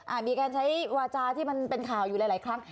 มีการใช้วาจาที่มันเป็นข่าวอยู่หลายครั้ง